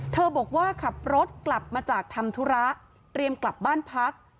บอกว่าขับรถกลับมาจากทำธุระเตรียมกลับบ้านพัก